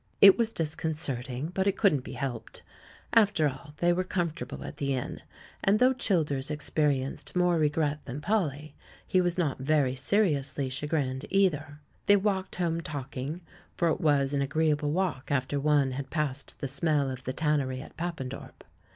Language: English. It was disconcerting, but it couldn't be helped After all, they were comfortable at the inn, and though Childers experienced more regret than Polly, he was not very seriously chagrined, ei ther. They walked home talking, for it was an agreeable walk after one had passed the smell of the tannery at Papendorp.